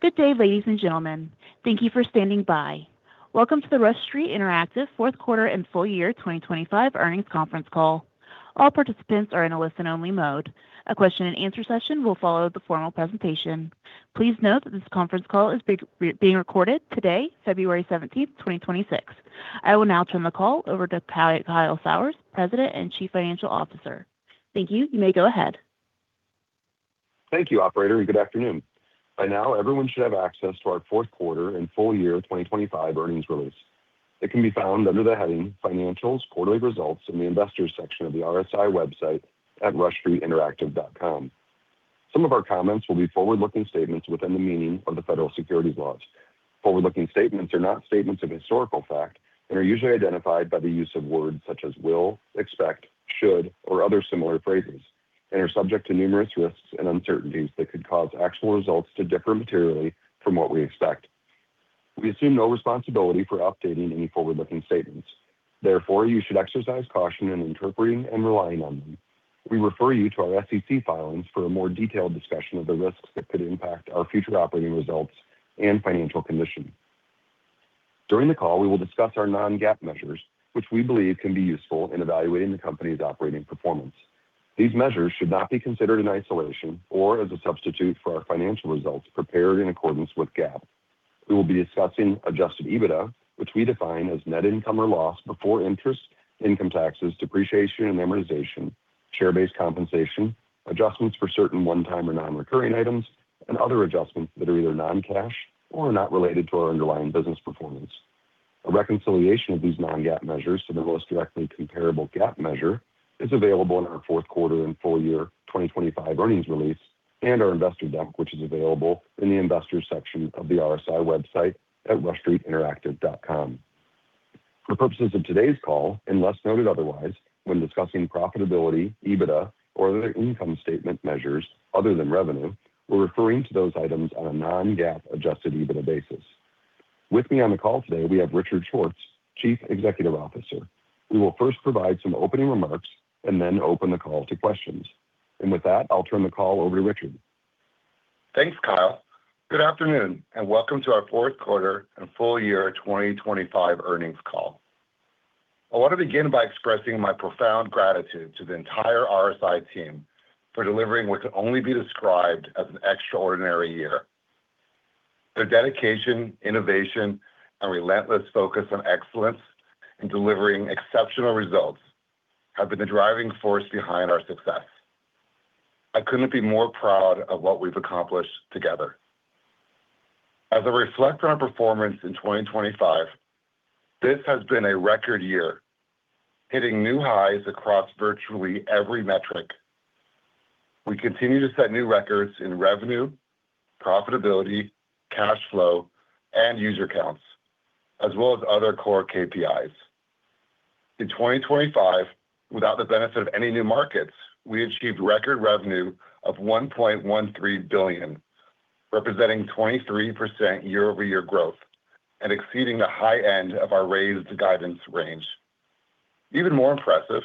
Good day, ladies and gentlemen. Thank you for standing by. Welcome to the Rush Street Interactive fourth quarter and full year 2025 earnings conference call. All participants are in a listen-only mode. A question-and-answer session will follow the formal presentation. Please note that this conference call is being recorded today, February 17, 2026. I will now turn the call over to Kyle Sauers, President and Chief Financial Officer. Thank you. You may go ahead. Thank you, operator, and good afternoon. By now, everyone should have access to our fourth quarter and full year 2025 earnings release. It can be found under the heading Financials Quarterly Results in the Investors section of the RSI website at rushstreetinteractive.com. Some of our comments will be forward-looking statements within the meaning of the Federal Securities Laws. Forward-looking statements are not statements of historical fact and are usually identified by the use of words such as will, expect, should, or other similar phrases, and are subject to numerous risks and uncertainties that could cause actual results to differ materially from what we expect. We assume no responsibility for updating any forward-looking statements. Therefore, you should exercise caution in interpreting and relying on them. We refer you to our SEC filings for a more detailed discussion of the risks that could impact our future operating results and financial condition. During the call, we will discuss our non-GAAP measures, which we believe can be useful in evaluating the company's operating performance. These measures should not be considered in isolation or as a substitute for our financial results prepared in accordance with GAAP. We will be discussing adjusted EBITDA, which we define as net income or loss before interest, income taxes, depreciation and amortization, share-based compensation, adjustments for certain one-time or non-recurring items, and other adjustments that are either non-cash or not related to our underlying business performance. A reconciliation of these non-GAAP measures to the most directly comparable GAAP measure is available in our fourth quarter and full-year 2025 earnings release and our Investor deck, which is available in the Investors section of the RSI website at rushstreetinteractive.com. For purposes of today's call, unless noted otherwise, when discussing profitability, EBITDA, or other income statement measures other than revenue, we're referring to those items on a non-GAAP adjusted EBITDA basis. With me on the call today, we have Richard Schwartz, Chief Executive Officer. We will first provide some opening remarks and then open the call to questions. With that, I'll turn the call over to Richard. Thanks, Kyle. Good afternoon, and welcome to our fourth quarter and full-year 2025 earnings call. I want to begin by expressing my profound gratitude to the entire RSI team for delivering what can only be described as an extraordinary year. Their dedication, innovation, and relentless focus on excellence in delivering exceptional results have been the driving force behind our success. I couldn't be more proud of what we've accomplished together. As I reflect on our performance in 2025, this has been a record year, hitting new highs across virtually every metric. We continue to set new records in revenue, profitability, cash flow, and user counts, as well as other core KPIs. In 2025, without the benefit of any new markets, we achieved record revenue of $1.13 billion, representing 23% year-over-year growth and exceeding the high-end of our raised guidance range. Even more impressive,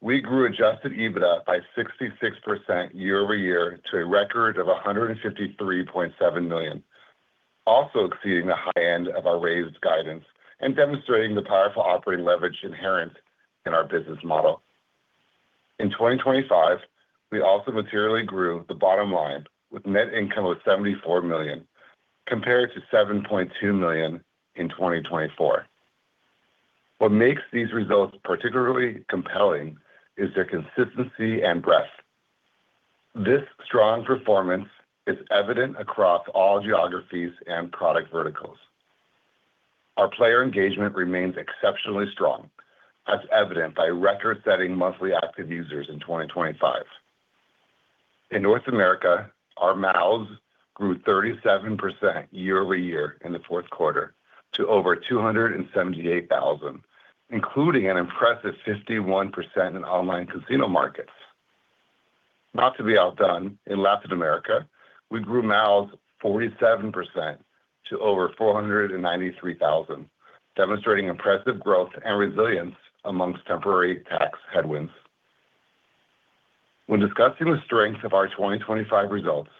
we grew adjusted EBITDA by 66% year-over-year to a record of $153.7 million, also exceeding the high-end of our raised guidance and demonstrating the powerful operating leverage inherent in our business model. In 2025, we also materially grew the bottom-line with net income of $74 million, compared to $7.2 million in 2024. What makes these results particularly compelling is their consistency and breadth. This strong performance is evident across all geographies and product verticals. Our player engagement remains exceptionally strong, as evident by record-setting monthly active users in 2025. In North America, our MAUs grew 37% year-over-year in the fourth quarter to over 278,000, including an impressive 51% in online casino markets. Not to be outdone, in Latin America, we grew MAUs 47% to over 493,000, demonstrating impressive growth and resilience among temporary tax headwinds. When discussing the strength of our 2025 results,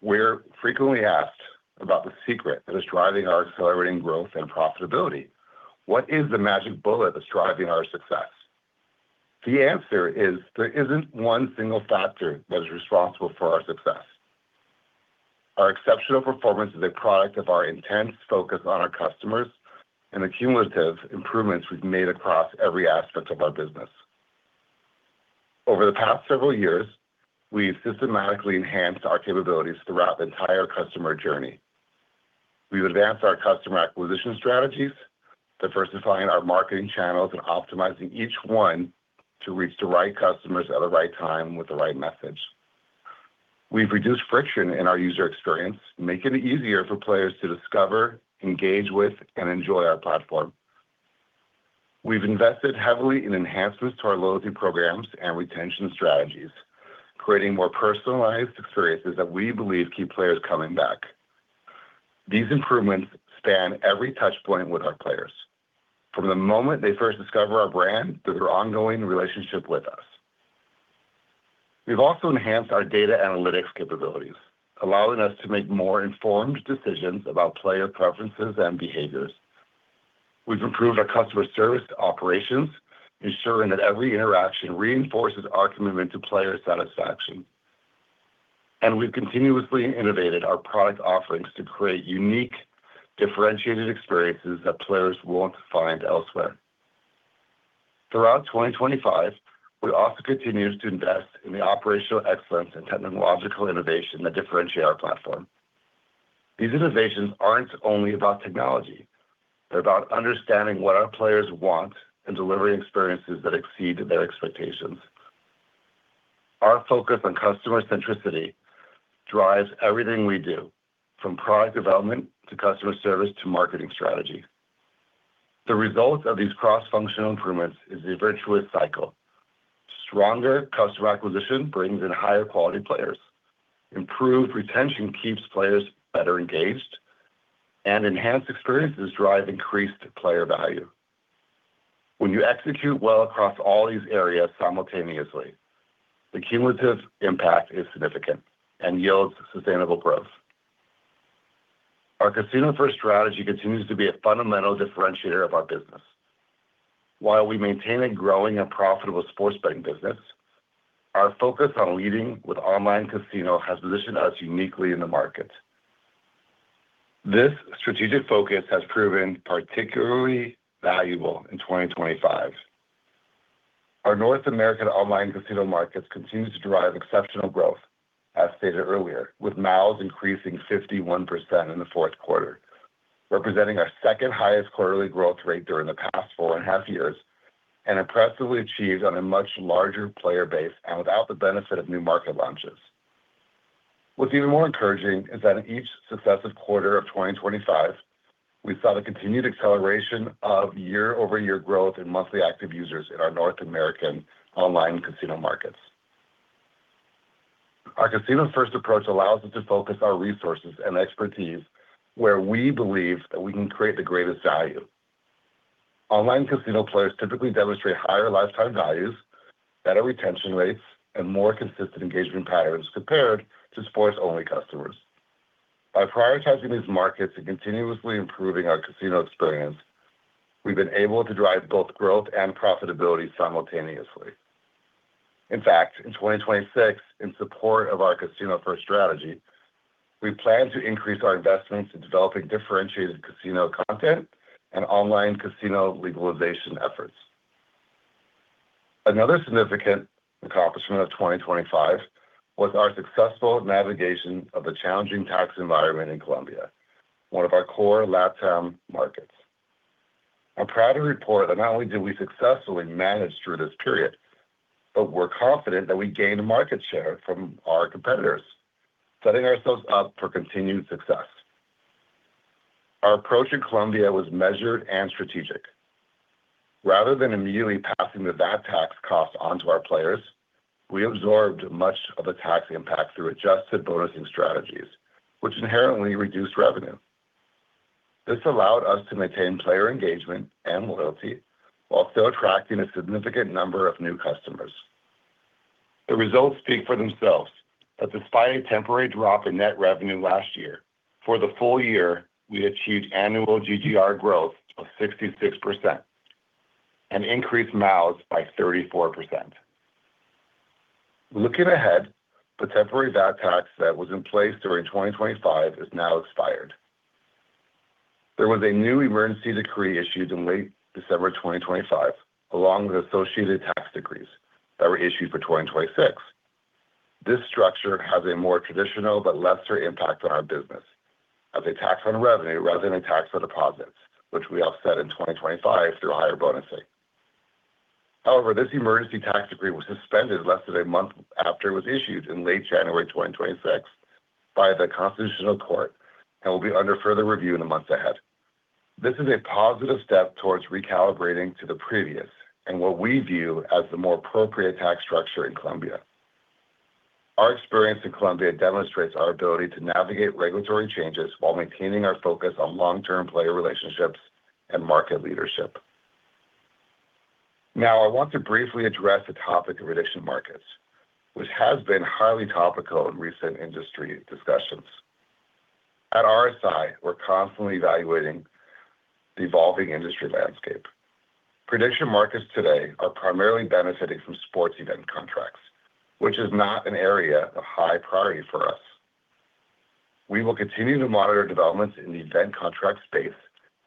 we're frequently asked about the secret that is driving our accelerating growth and profitability. What is the magic bullet that's driving our success? The answer is: there isn't one single factor that is responsible for our success. Our exceptional performance is a product of our intense focus on our customers and the cumulative improvements we've made across every aspect of our business. Over the past several years, we've systematically enhanced our capabilities throughout the entire customer journey. We've advanced our customer acquisition strategies, diversifying our marketing channels and optimizing each one to reach the right customers at the right time with the right message. We've reduced friction in our user experience, making it easier for players to discover, engage with, and enjoy our platform. We've invested heavily in enhancements to our loyalty programs and retention strategies, creating more personalized experiences that we believe keep players coming back. These improvements span every touchpoint with our players, from the moment they first discover our brand through their ongoing relationship with us.... We've also enhanced our data analytics capabilities, allowing us to make more informed decisions about player preferences and behaviors. We've improved our customer service operations, ensuring that every interaction reinforces our commitment to player satisfaction. And we've continuously innovated our product offerings to create unique, differentiated experiences that players won't find elsewhere. Throughout 2025, we also continued to invest in the operational excellence and technological innovation that differentiate our platform. These innovations aren't only about technology, they're about understanding what our players want and delivering experiences that exceed their expectations. Our focus on customer centricity drives everything we do, from product development to customer service to marketing strategy. The result of these cross-functional improvements is a virtuous cycle. Stronger customer acquisition brings in higher quality players. Improved retention keeps players better engaged, and enhanced experiences drive increased player value. When you execute well across all these areas simultaneously, the cumulative impact is significant and yields sustainable growth. Our casino-first strategy continues to be a fundamental differentiator of our business. While we maintain a growing and profitable sports betting business, our focus on leading with online casino has positioned us uniquely in the market. This strategic focus has proven particularly valuable in 2025. Our North American online casino markets continue to drive exceptional growth, as stated earlier, with MAUs increasing 51% in the fourth quarter, representing our second highest quarterly growth rate during the past four and a half years, and impressively achieved on a much larger player base and without the benefit of new market launches. What's even more encouraging is that in each successive quarter of 2025, we saw the continued acceleration of year-over-year growth in monthly active users in our North American online casino markets. Our casino-first approach allows us to focus our resources and expertise where we believe that we can create the greatest value. Online casino players typically demonstrate higher lifetime values, better retention rates, and more consistent engagement patterns compared to sports-only customers. By prioritizing these markets and continuously improving our casino experience, we've been able to drive both growth and profitability simultaneously. In fact, in 2026, in support of our casino-first strategy, we plan to increase our investments in developing differentiated casino content and online casino legalization efforts. Another significant accomplishment of 2025 was our successful navigation of the challenging tax environment in Colombia, one of our core LatAm markets. I'm proud to report that not only did we successfully manage through this period, but we're confident that we gained market share from our competitors, setting ourselves up for continued success. Our approach in Colombia was measured and strategic. Rather than immediately passing the VAT tax cost on to our players, we absorbed much of the tax impact through adjusted bonusing strategies, which inherently reduced revenue. This allowed us to maintain player engagement and loyalty while still attracting a significant number of new customers. The results speak for themselves, as despite a temporary drop in net revenue last year, for the full year, we achieved annual GGR growth of 66% and increased MAUs by 34%. Looking ahead, the temporary VAT tax that was in place during 2025 is now expired. There was a new emergency decree issued in late December 2025, along with associated tax decrees that were issued for 2026. This structure has a more traditional but lesser impact on our business as a tax on revenue rather than a tax on deposits, which we offset in 2025 through higher bonusing. However, this emergency tax decree was suspended less than a month after it was issued in late January 2026 by the Constitutional Court and will be under further review in the months ahead. This is a positive step towards recalibrating to the previous, and what we view as the more appropriate tax structure in Colombia. Our experience in Colombia demonstrates our ability to navigate regulatory changes while maintaining our focus on long-term player relationships and market leadership. Now, I want to briefly address the topic of prediction markets, which has been highly topical in recent industry discussions. At RSI, we're constantly evaluating the evolving industry landscape. Prediction markets today are primarily benefiting from sports event contracts, which is not an area of high priority for us. We will continue to monitor developments in the event contract space,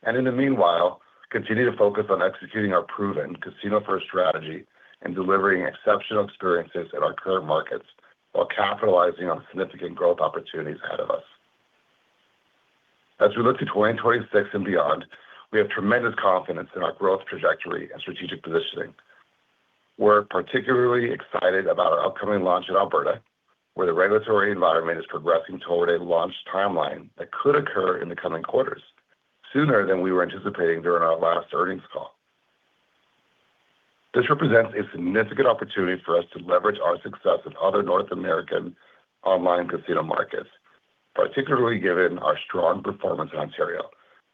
and in the meanwhile, continue to focus on executing our proven casino-first strategy and delivering exceptional experiences in our current markets while capitalizing on significant growth opportunities ahead of us. As we look to 2026 and beyond, we have tremendous confidence in our growth trajectory and strategic positioning. We're particularly excited about our upcoming launch in Alberta, where the regulatory environment is progressing toward a launch timeline that could occur in the coming quarters, sooner than we were anticipating during our last earnings call. This represents a significant opportunity for us to leverage our success in other North American online casino markets.... particularly given our strong performance in Ontario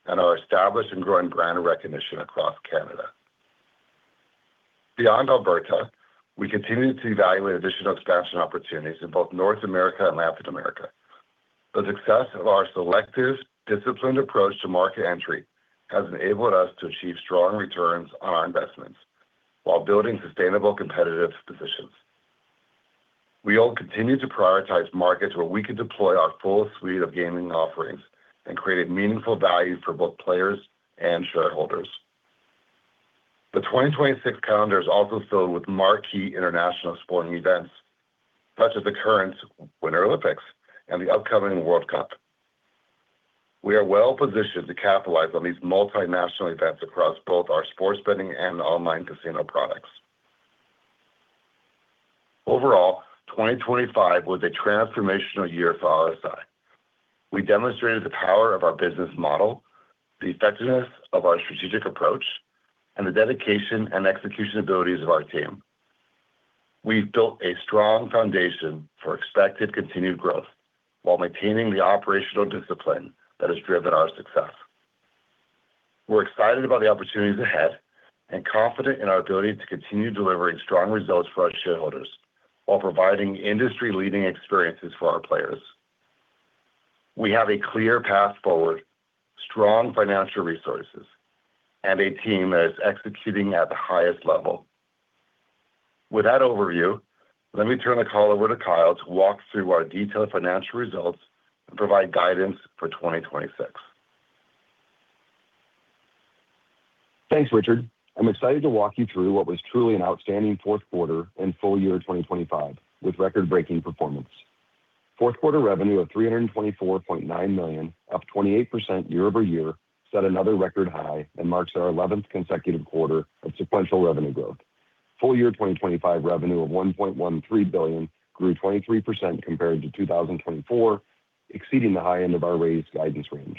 and our established and growing brand recognition across Canada. Beyond Alberta, we continue to evaluate additional expansion opportunities in both North America and Latin America. The success of our selective, disciplined approach to market entry has enabled us to achieve strong returns on our investments while building sustainable competitive positions. We all continue to prioritize markets where we can deploy our full suite of gaming offerings and create a meaningful value for both players and shareholders. The 2026 calendar is also filled with marquee international sporting events, such as the current Winter Olympics and the upcoming World Cup. We are well-positioned to capitalize on these multinational events across both our sports betting and online casino products. Overall, 2025 was a transformational year for RSI. We demonstrated the power of our business model, the effectiveness of our strategic approach, and the dedication and execution abilities of our team. We've built a strong foundation for expected continued growth while maintaining the operational discipline that has driven our success. We're excited about the opportunities ahead and confident in our ability to continue delivering strong results for our shareholders while providing industry-leading experiences for our players. We have a clear path forward, strong financial resources, and a team that is executing at the highest level. With that overview, let me turn the call over to Kyle to walk through our detailed financial results and provide guidance for 2026. Thanks, Richard. I'm excited to walk you through what was truly an outstanding fourth quarter and full-year 2025, with record-breaking performance. Fourth quarter revenue of $324.9 million, up 28% year-over-year, set another record high and marks our 11th consecutive quarter of sequential revenue growth. Full-year 2025 revenue of $1.13 billion grew 23% compared to 2024, exceeding the high-end of our raised guidance range.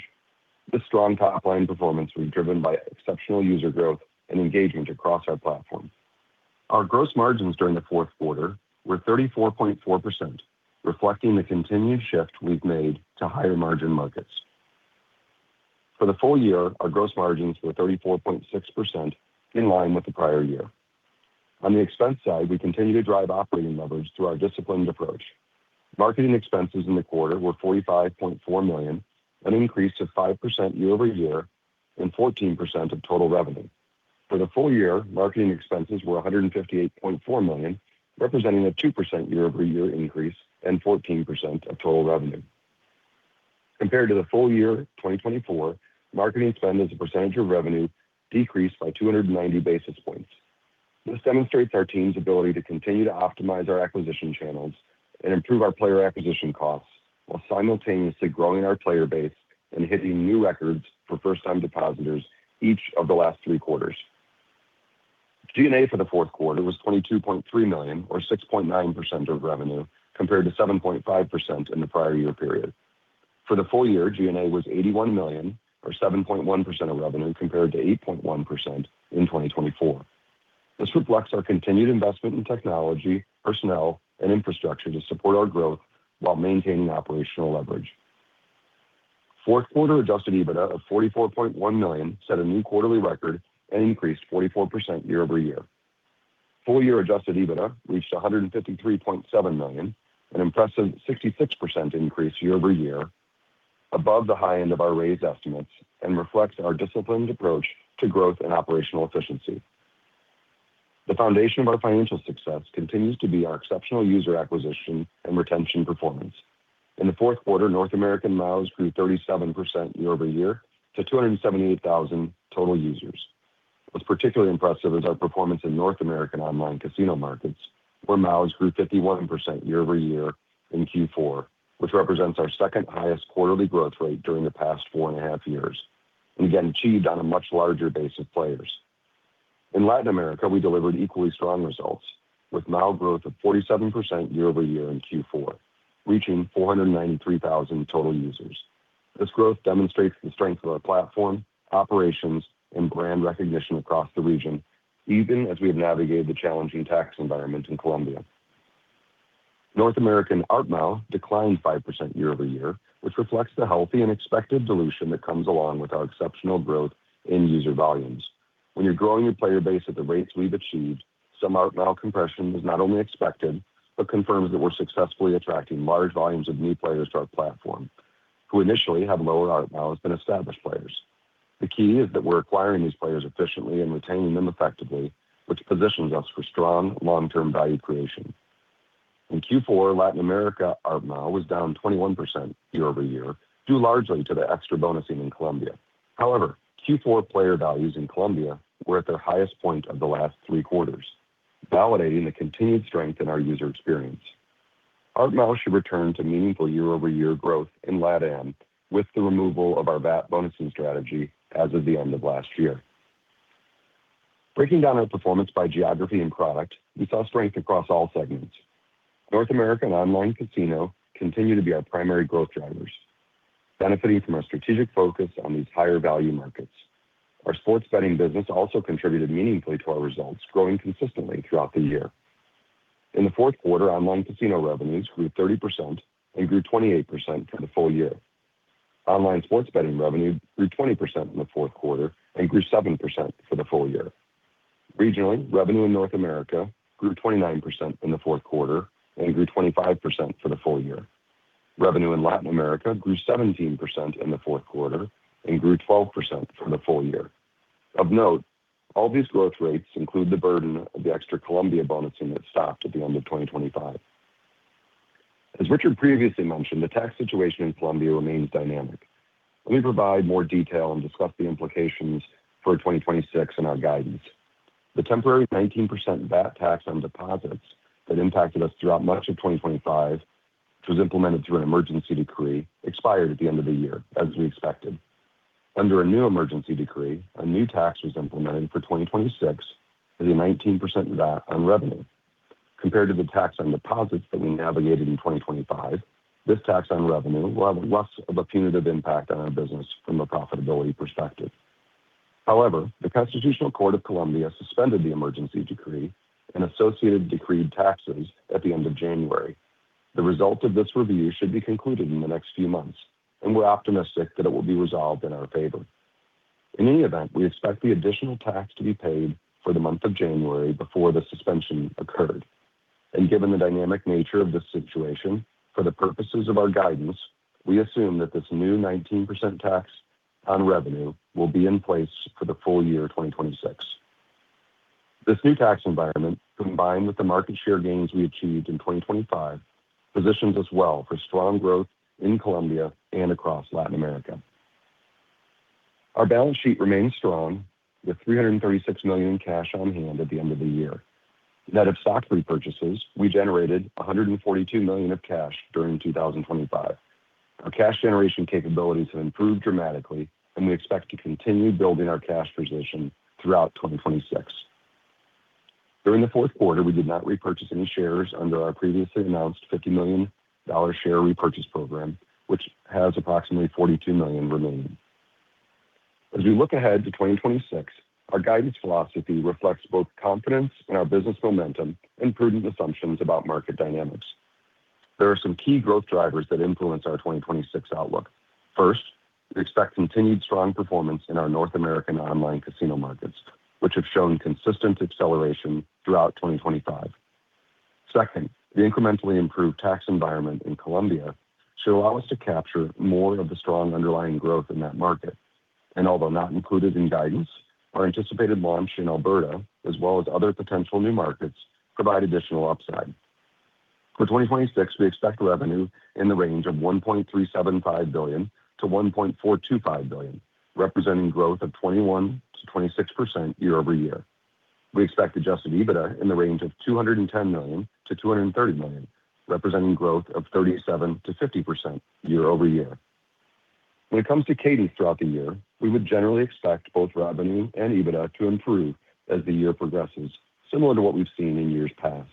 This strong top-line performance was driven by exceptional user growth and engagement across our platform. Our gross margins during the fourth quarter were 34.4%, reflecting the continued shift we've made to higher-margin markets. For the full-year, our gross margins were 34.6%, in line with the prior year. On the expense side, we continue to drive operating leverage through our disciplined approach. Marketing expenses in the quarter were $45.4 million, an increase of 5% year-over-year and 14% of total revenue. For the full-year, marketing expenses were $158.4 million, representing a 2% year-over-year increase and 14% of total revenue. Compared to the full-year 2024, marketing spend as a percentage of revenue decreased by 290 basis points. This demonstrates our team's ability to continue to optimize our acquisition channels and improve our player acquisition costs, while simultaneously growing our player base and hitting new records for first-time depositors each of the last three quarters. G&A for the fourth quarter was $22.3 million or 6.9% of revenue, compared to 7.5% in the prior year period. For the full year, G&A was $81 million or 7.1% of revenue, compared to 8.1% in 2024. This reflects our continued investment in technology, personnel, and infrastructure to support our growth while maintaining operational leverage. Fourth quarter adjusted EBITDA of $44.1 million set a new quarterly record and increased 44% year-over-year. Full-year adjusted EBITDA reached $153.7 million, an impressive 66% increase year-over-year, above the high end of our raised estimates, and reflects our disciplined approach to growth and operational efficiency. The foundation of our financial success continues to be our exceptional user acquisition and retention performance. In the fourth quarter, North American MAUs grew 37% year-over-year to 278,000 total users. What's particularly impressive is our performance in North American online casino markets, where MAUs grew 51% year-over-year in Q4, which represents our second highest quarterly growth rate during the past four and a half years, and again, achieved on a much larger base of players. In Latin America, we delivered equally strong results, with MAU growth of 47% year-over-year in Q4, reaching 493,000 total users. This growth demonstrates the strength of our platform, operations, and brand recognition across the region, even as we have navigated the challenging tax environment in Colombia. North American ARPDAU declined 5% year-over-year, which reflects the healthy and expected dilution that comes along with our exceptional growth in user volumes. When you're growing your player base at the rates we've achieved, some ARPDAU compression is not only expected, but confirms that we're successfully attracting large volumes of new players to our platform, who initially have lower ARPDAU than established players. The key is that we're acquiring these players efficiently and retaining them effectively, which positions us for strong long-term value creation. In Q4, Latin America ARPDAU was down 21% year-over-year, due largely to the extra bonusing in Colombia. However, Q4 player values in Colombia were at their highest point of the last three quarters, validating the continued strength in our user experience. ARPDAU should return to meaningful year-over-year growth in LatAm with the removal of our VAT bonusing strategy as of the end of last year. Breaking down our performance by geography and product, we saw strength across all segments. North American online casino continued to be our primary growth drivers, benefiting from our strategic focus on these higher-value markets. Our sports betting business also contributed meaningfully to our results, growing consistently throughout the year. In the fourth quarter, online casino revenues grew 30% and grew 28% for the full-year. Online sports betting revenue grew 20% in the fourth quarter and grew 7% for the full-year. Regionally, revenue in North America grew 29% in the fourth quarter and grew 25% for the full-year. Revenue in Latin America grew 17% in the fourth quarter and grew 12% for the full-year. Of note, all these growth rates include the burden of the extra Colombia bonusing that stopped at the end of 2025. As Richard previously mentioned, the tax situation in Colombia remains dynamic. Let me provide more detail and discuss the implications for 2026 in our guidance. The temporary 19% VAT tax on deposits that impacted us throughout much of 2025, which was implemented through an emergency decree, expired at the end of the year, as we expected. Under a new emergency decree, a new tax was implemented for 2026 to be 19% VAT on revenue. Compared to the tax on deposits that we navigated in 2025, this tax on revenue will have less of a punitive impact on our business from a profitability perspective. However, the Constitutional Court of Colombia suspended the emergency decree and associated decreed taxes at the end of January. The result of this review should be concluded in the next few months, and we're optimistic that it will be resolved in our favor. In any event, we expect the additional tax to be paid for the month of January before the suspension occurred. Given the dynamic nature of this situation, for the purposes of our guidance, we assume that this new 19% tax on revenue will be in place for the full-year 2026. This new tax environment, combined with the market share gains we achieved in 2025, positions us well for strong growth in Colombia and across Latin America. Our balance sheet remains strong, with $336 million in cash on hand at the end of the year. Net of stock repurchases, we generated $142 million of cash during 2025. Our cash generation capabilities have improved dramatically, and we expect to continue building our cash position throughout 2026. During the fourth quarter, we did not repurchase any shares under our previously announced $50 million share repurchase program, which has approximately $42 million remaining. As we look ahead to 2026, our guidance philosophy reflects both confidence in our business momentum and prudent assumptions about market dynamics. There are some key growth drivers that influence our 2026 outlook. First, we expect continued strong performance in our North American online casino markets, which have shown consistent acceleration throughout 2025. Second, the incrementally improved tax environment in Colombia should allow us to capture more of the strong underlying growth in that market. And although not included in guidance, our anticipated launch in Alberta, as well as other potential new markets, provide additional upside. For 2026, we expect revenue in the range of $1.375 billion-$1.425 billion, representing growth of 21%-26% year-over-year. We expect adjusted EBITDA in the range of $210 million-$230 million, representing growth of 37%-50% year-over-year. When it comes to cadence throughout the year, we would generally expect both revenue and EBITDA to improve as the year progresses, similar to what we've seen in years past.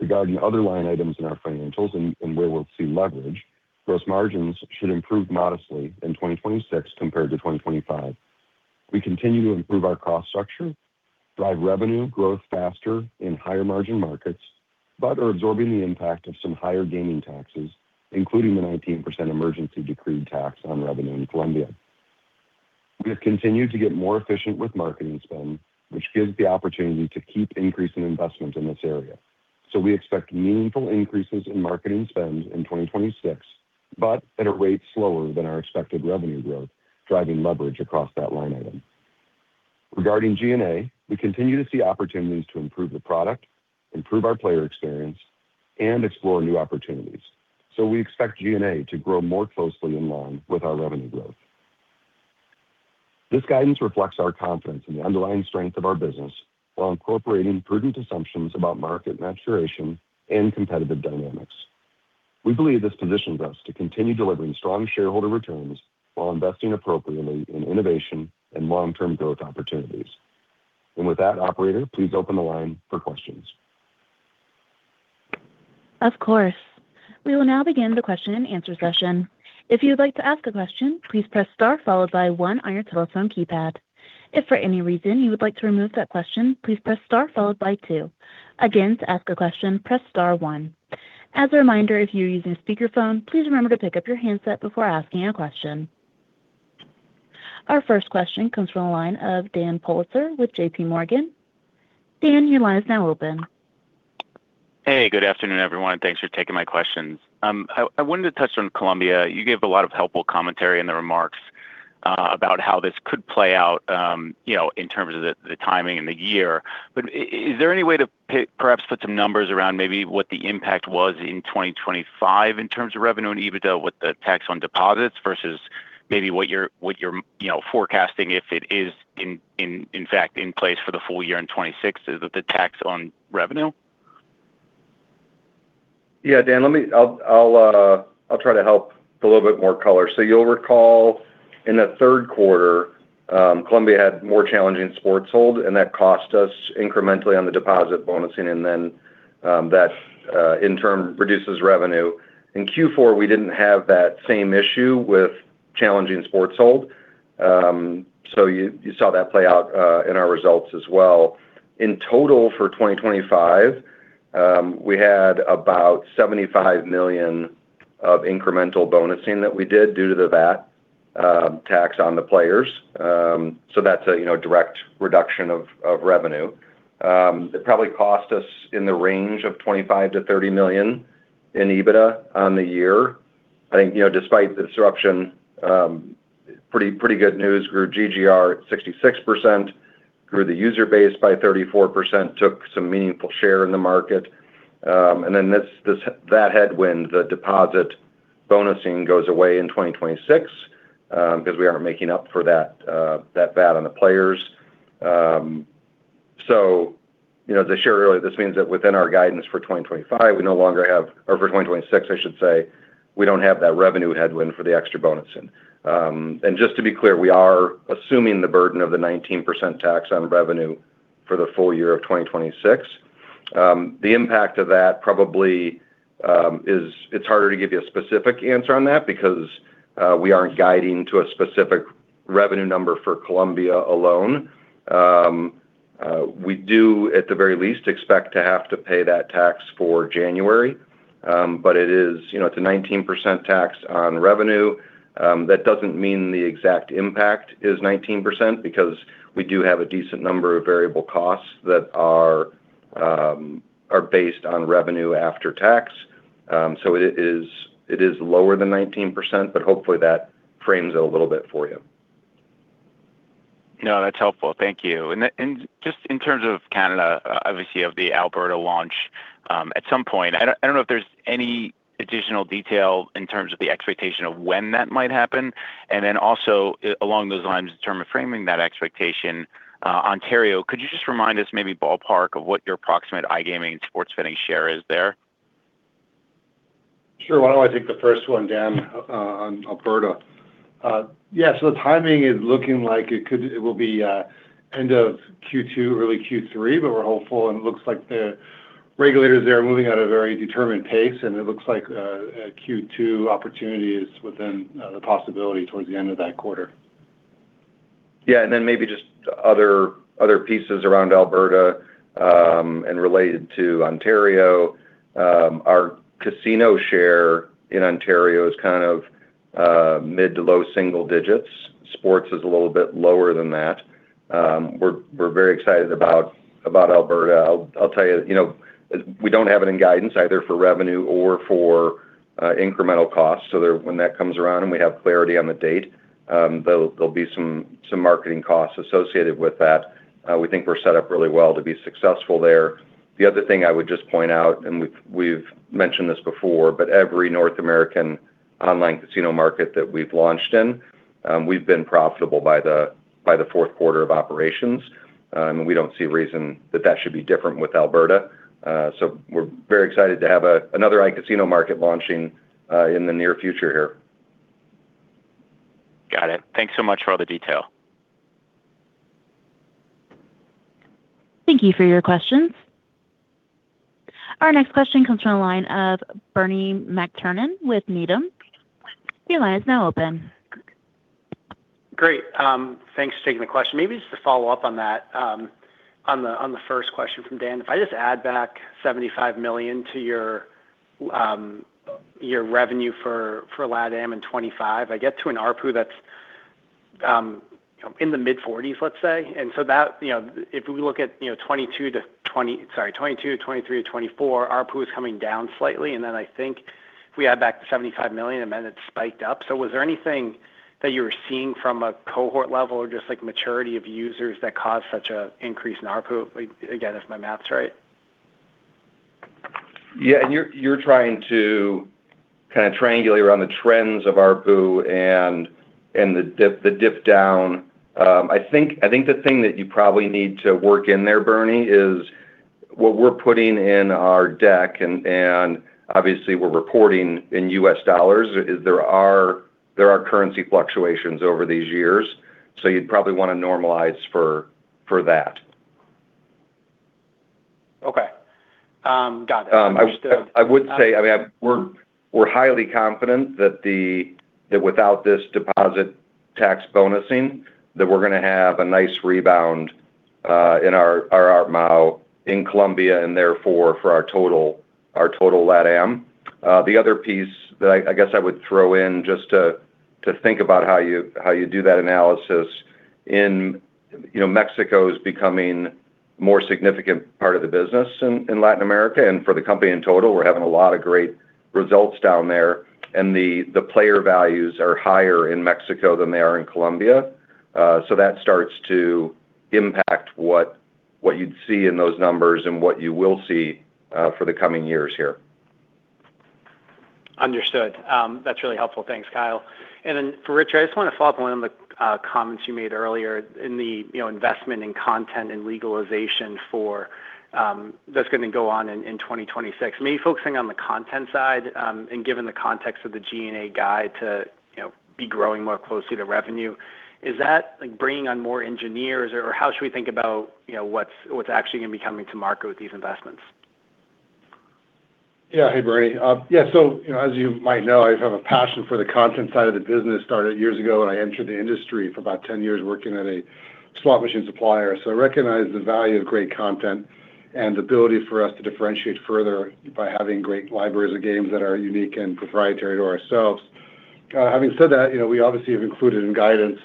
Regarding other line items in our financials and where we'll see leverage, gross margins should improve modestly in 2026 compared to 2025. We continue to improve our cost structure, drive revenue growth faster in higher-margin markets, but are absorbing the impact of some higher gaming taxes, including the 19% emergency decreed tax on revenue in Colombia. We have continued to get more efficient with marketing spend, which gives the opportunity to keep increasing investment in this area. So we expect meaningful increases in marketing spend in 2026, but at a rate slower than our expected revenue growth, driving leverage across that line item. Regarding G&A, we continue to see opportunities to improve the product, improve our player experience, and explore new opportunities. So we expect G&A to grow more closely in line with our revenue growth. This guidance reflects our confidence in the underlying strength of our business while incorporating prudent assumptions about market maturation and competitive dynamics. We believe this positions us to continue delivering strong shareholder returns while investing appropriately in innovation and long-term growth opportunities. With that, operator, please open the line for questions. Of course. We will now begin the question-and-answer session. If you'd like to ask a question, please press star followed by one on your telephone keypad. If for any reason you would like to remove that question, please press star followed by two. Again, to ask a question, press star one. As a reminder, if you're using a speakerphone, please remember to pick up your handset before asking a question. Our first question comes from the line of Dan Politzer with JPMorgan. Dan, your line is now open. Hey, good afternoon, everyone, and thanks for taking my questions. I wanted to touch on Colombia. You gave a lot of helpful commentary in the remarks about how this could play out, you know, in terms of the timing and the year. But is there any way to perhaps put some numbers around maybe what the impact was in 2025 in terms of revenue and EBITDA with the tax on deposits versus maybe what you're forecasting, if it is in fact in place for the full-year in 2026? Is the tax on revenue? Yeah, Dan, let me. I'll try to help with a little bit more color. So you'll recall in the third quarter, Colombia had more challenging sports hold, and that cost us incrementally on the deposit bonusing, and then, that in turn, reduces revenue. In Q4, we didn't have that same issue with challenging sports hold. So you saw that play out in our results as well. In total, for 2025, we had about $75 million of incremental bonusing that we did due to the VAT tax on the players. So that's a, you know, direct reduction of revenue. It probably cost us in the range of $25 million-$30 million in EBITDA on the year. I think, you know, despite the disruption, pretty good news, grew GGR at 66%, grew the user base by 34%, took some meaningful share in the market. And then this that headwind, the deposit bonusing goes away in 2026, 'cause we aren't making up for that that VAT on the players. So you know, as I shared earlier, this means that within our guidance for 2025, we no longer have... or for 2026, I should say, we don't have that revenue headwind for the extra bonusing. And just to be clear, we are assuming the burden of the 19% tax on revenue for the full-year of 2026. The impact of that probably is it's harder to give you a specific answer on that because we aren't guiding to a specific revenue number for Colombia alone. We do, at the very least, expect to have to pay that tax for January. But it is, you know, it's a 19% tax on revenue. That doesn't mean the exact impact is 19%, because we do have a decent number of variable costs that are based on revenue after tax. So it is lower than 19%, but hopefully that frames it a little bit for you. No, that's helpful. Thank you. And then, just in terms of Canada, obviously you have the Alberta launch at some point. I don't know if there's any additional detail in terms of the expectation of when that might happen. And then also, along those lines, in terms of framing that expectation, Ontario, could you just remind us, maybe ballpark, of what your approximate iGaming and sports betting share is there? Sure. Why don't I take the first one, Dan, on Alberta? Yeah, so the timing is looking like it will be end of Q2, early Q3, but we're hopeful, and it looks like the regulators there are moving at a very determined pace, and it looks like a Q2 opportunity is within the possibility towards the end of that quarter. Yeah, and then maybe just other, other pieces around Alberta, and related to Ontario. Our casino share in Ontario is kind of mid- to low-single digits. Sports is a little bit lower than that. We're very excited about Alberta. I'll tell you, you know, we don't have it in guidance either for revenue or for incremental costs. So there, when that comes around and we have clarity on the date, there'll be some marketing costs associated with that. We think we're set up really well to be successful there. The other thing I would just point out, and we've mentioned this before, but every North American online casino market that we've launched in, we've been profitable by the fourth quarter of operations. We don't see a reason that that should be different with Alberta. So we're very excited to have another iCasino market launching in the near future here. Got it. Thanks so much for all the detail. Thank you for your questions. Our next question comes from the line of Bernie McTernan with Needham. Your line is now open. Great. Thanks for taking the question. Maybe just to follow up on that, on the first question from Dan. If I just add back $75 million to your revenue for LatAm in 2025, I get to an ARPU that's, you know, in the mid-40%s, let's say. And so that, you know, if we look at 2022 to 2023 to 2024, ARPU is coming down slightly. And then I think if we add back the $75 million, then it spiked up. So was there anything that you were seeing from a cohort level or just, like, maturity of users that caused such an increase in ARPU, again, if my math's right? Yeah, and you're trying to kind of triangulate around the trends of ARPU and the dip down. I think the thing that you probably need to work in there, Bernie, is what we're putting in our deck and obviously we're reporting in US dollars; there are currency fluctuations over these years, so you'd probably want to normalize for that. Okay. Got it. I would, I would say, I mean, we're, we're highly confident that the, that without this deposit tax bonusing, that we're gonna have a nice rebound, in our, our ARPMAU in Colombia, and therefore, for our total, our total LatAm. The other piece that I, I guess I would throw in just to, to think about how you, how you do that analysis in... You know, Mexico is becoming more significant part of the business in, in Latin America and for the company in total. We're having a lot of great results down there, and the, the player values are higher in Mexico than they are in Colombia. So that starts to impact what, what you'd see in those numbers and what you will see, for the coming years here. Understood. That's really helpful. Thanks, Kyle. And then for Rich, I just want to follow up on one of the comments you made earlier in the, you know, investment in content and legalization for that's gonna go on in, in 2026. Maybe focusing on the content side, and given the context of the G&A guide to, you know, be growing more closely to revenue, is that, like, bringing on more engineers? Or how should we think about, you know, what's, what's actually gonna be coming to market with these investments? Yeah. Hey, Bernie. Yeah, so, you know, as you might know, I have a passion for the content side of the business. Started years ago when I entered the industry for about 10 years working at a slot machine supplier. So I recognize the value of great content and the ability for us to differentiate further by having great libraries of games that are unique and proprietary to ourselves. Having said that, you know, we obviously have included in guidance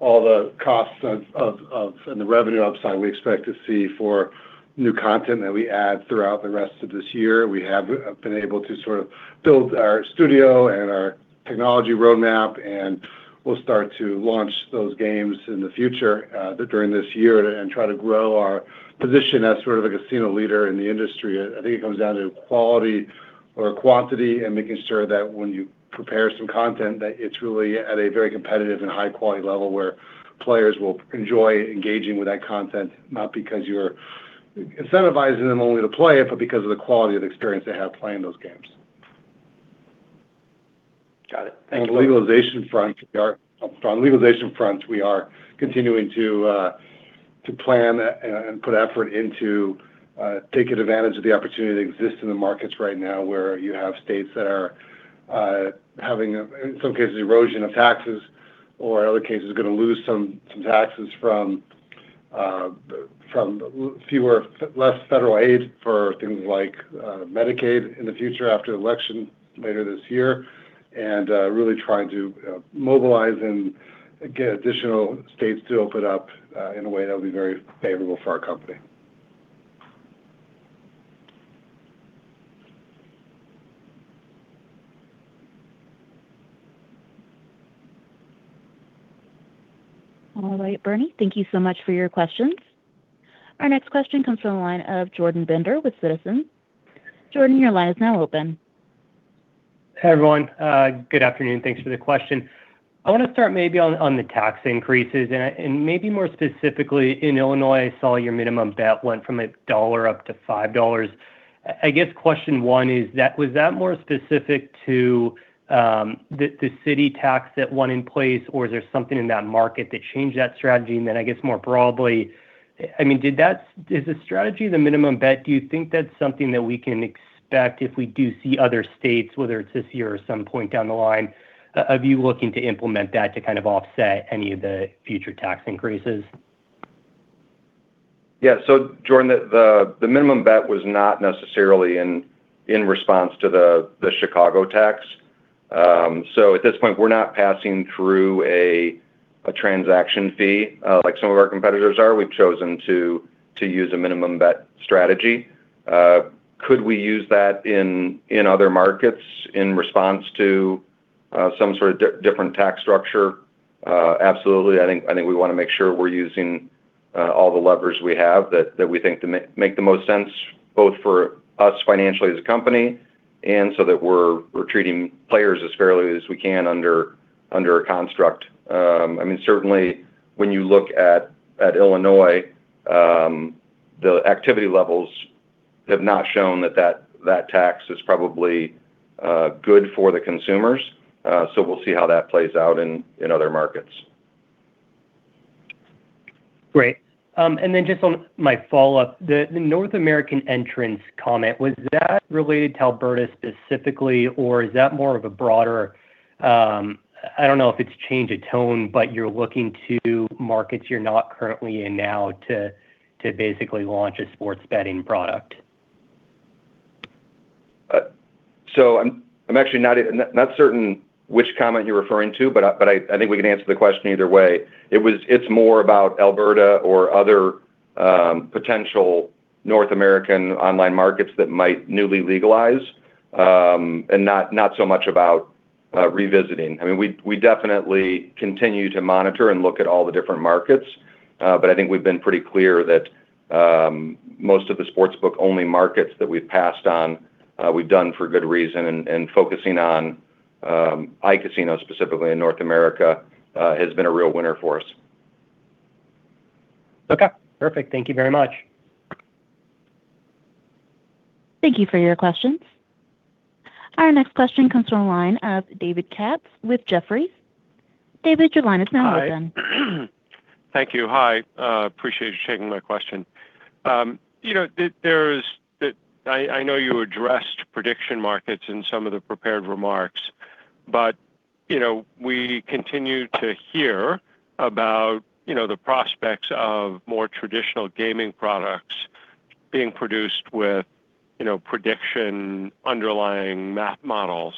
all the costs and the revenue upside we expect to see for new content that we add throughout the rest of this year. We have been able to sort of build our studio and our technology roadmap, and we'll start to launch those games in the future, during this year and try to grow our position as sort of a casino leader in the industry. I think it comes down to quality or quantity and making sure that when you prepare some content, that it's really at a very competitive and high-quality level, where players will enjoy engaging with that content, not because you're incentivizing them only to play it, but because of the quality of the experience they have playing those games. Got it. Thank you. On the legalization front, we are continuing to plan and put effort into taking advantage of the opportunity that exists in the markets right now, where you have states that are having, in some cases, erosion of taxes or other cases, going to lose some taxes from fewer, less federal aid for things like Medicaid in the future after the election later this year. And really trying to mobilize and get additional states to open up in a way that will be very favorable for our company. All right, Bernie, thank you so much for your questions. Our next question comes from the line of Jordan Bender with Citizens. Jordan, your line is now open. Hey, everyone. Good afternoon. Thanks for the question. I want to start maybe on the tax increases and maybe more specifically in Illinois. I saw your minimum bet went from $1 up to $5. I guess question one is, that was that more specific to the city tax that went in place, or is there something in that market that changed that strategy? And then, I guess, more broadly, I mean, did that is the strategy, the minimum bet, do you think that's something that we can expect if we do see other states, whether it's this year or some point down the line, of you looking to implement that to kind of offset any of the future tax increases? Yeah. So Jordan, the minimum bet was not necessarily in response to the Chicago tax. So at this point, we're not passing through a transaction fee like some of our competitors are. We've chosen to use a minimum bet strategy. Could we use that in other markets in response to some sort of different tax structure? Absolutely. I think we want to make sure we're using all the levers we have that we think to make the most sense, both for us financially as a company and so that we're treating players as fairly as we can under a construct. I mean, certainly when you look at Illinois, the activity levels have not shown that tax is probably good for the consumers. So we'll see how that plays out in other markets. Great. And then just on my follow-up, the North American entrance comment, was that related to Alberta specifically, or is that more of a broader, I don't know if it's change of tone, but you're looking to markets you're not currently in now to basically launch a sports betting product? So I'm actually not certain which comment you're referring to, but I think we can answer the question either way. It's more about Alberta or other potential North American online markets that might newly legalize, and not so much about revisiting. I mean, we definitely continue to monitor and look at all the different markets, but I think we've been pretty clear that most of the sportsbook-only markets that we've passed on, we've done for good reason. Focusing on iCasino, specifically in North America, has been a real winner for us. Okay, perfect. Thank you very much. Thank you for your questions. Our next question comes from the line of David Katz with Jefferies. David, your line is now open. Hi. Thank you. Hi, appreciate you taking my question. You know, I know you addressed prediction markets in some of the prepared remarks, but, you know, we continue to hear about, you know, the prospects of more traditional gaming products being produced with, you know, prediction underlying math models.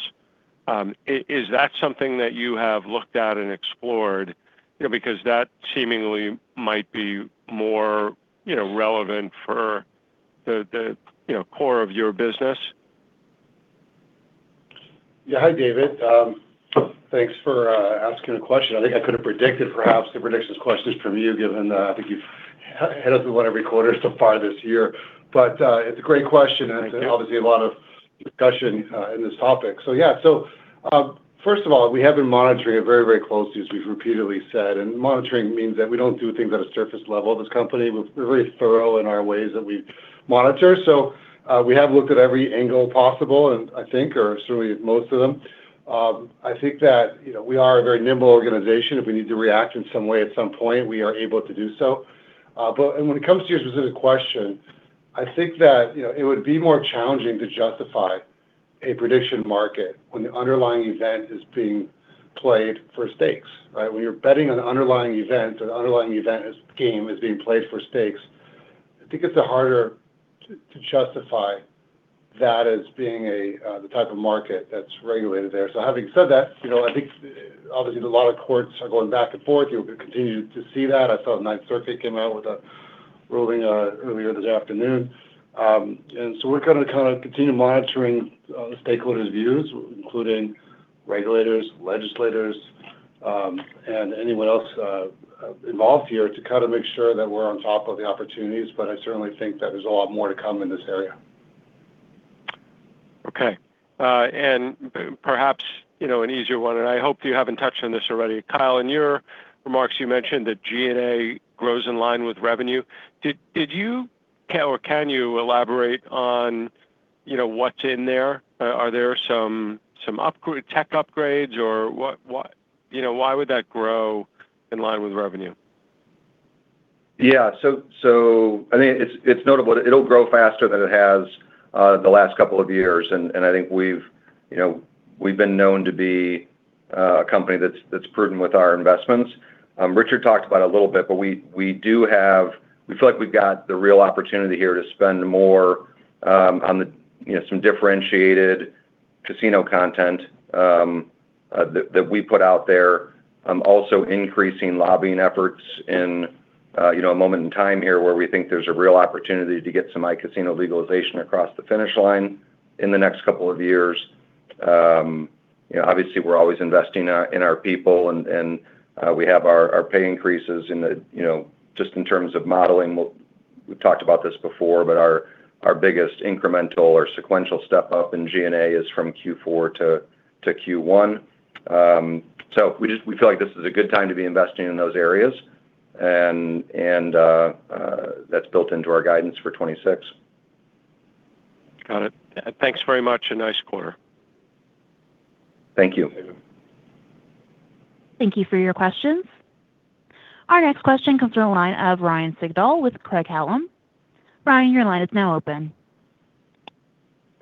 Is that something that you have looked at and explored? You know, because that seemingly might be more, you know, relevant for the, you know, core of your business. Yeah. Hi, David. Thanks for asking the question. I think I could have predicted perhaps the predictions questions from you, given I think you've hit us with one every quarter so far this year. But, it's a great question. Thank you. And obviously a lot of discussion in this topic. So, yeah. So, first of all, we have been monitoring it very, very closely, as we've repeatedly said, and monitoring means that we don't do things at a surface level. This company, we're very thorough in our ways that we monitor. So, we have looked at every angle possible, and I think, or certainly most of them. I think that, you know, we are a very nimble organization. If we need to react in some way, at some point, we are able to do so. But and when it comes to your specific question, I think that, you know, it would be more challenging to justify a prediction market when the underlying event is being played for stakes, right? When you're betting on the underlying event, the underlying event is a game being played for stakes, I think it's harder to justify that as being the type of market that's regulated there. So having said that, you know, I think obviously a lot of courts are going back and forth. You'll continue to see that. I saw the Ninth Circuit came out with a ruling earlier this afternoon. And so we're gonna kind of continue monitoring the stakeholders' views, including regulators, legislators, and anyone else involved here to kind of make sure that we're on top of the opportunities, but I certainly think that there's a lot more to come in this area. Okay. And perhaps, you know, an easier one, and I hope you haven't touched on this already. Kyle, in your remarks, you mentioned that G&A grows in line with revenue. Did you, or can you elaborate on, you know, what's in there? Are there some upgrade, tech upgrades, or what- you know, why would that grow in line with revenue? Yeah. So, I mean, it's notable. It'll grow faster than it has the last couple of years, and I think we've, you know, we've been known to be a company that's prudent with our investments. Richard talked about it a little bit, but we do have—we feel like we've got the real opportunity here to spend more on the, you know, some differentiated casino content that we put out there. Also increasing lobbying efforts in, you know, a moment in time here where we think there's a real opportunity to get some iCasino legalization across the finish line in the next couple of years. You know, obviously, we're always investing in our people, and we have our pay increases in the, you know, just in terms of modeling. We've talked about this before, but our biggest incremental or sequential step up in G&A is from Q4 to Q1. So we just, we feel like this is a good time to be investing in those areas. And that's built into our guidance for 2026. Got it. Thanks very much, and nice quarter. Thank you. Thank you. Thank you for your questions. Our next question comes from the line of Ryan Sigdahl with Craig-Hallum. Ryan, your line is now open.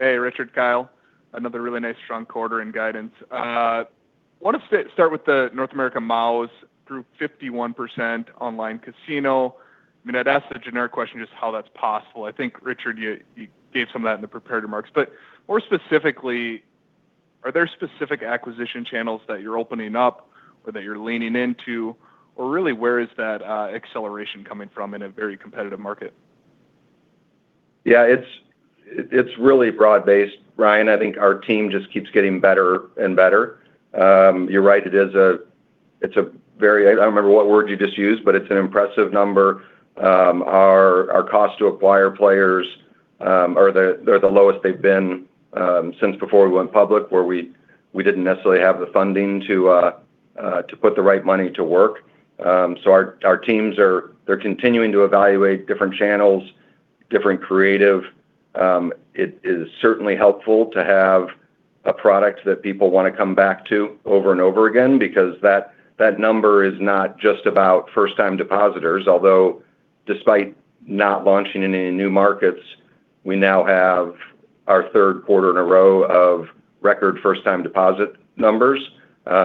Hey, Richard, Kyle. Another really nice, strong quarter and guidance. Want to start with the North America MAUs through 51% online casino. I mean, I'd ask the generic question, just how that's possible. I think, Richard, you gave some of that in the prepared remarks, but more specifically, are there specific acquisition channels that you're opening up or that you're leaning into? Or really, where is that acceleration coming from in a very competitive market? Yeah, it's really broad-based, Ryan. I think our team just keeps getting better and better. You're right, it is a-- it's a very... I don't remember what word you just used, but it's an impressive number. Our cost to acquire players are the- they're the lowest they've been since before we went public, where we didn't necessarily have the funding to put the right money to work. So our teams are, they're continuing to evaluate different channels, different creative. It is certainly helpful to have a product that people want to come back to over and over again because that number is not just about first-time depositors. Although, despite not launching in any new markets, we now have our third quarter in a row of record first-time deposit numbers.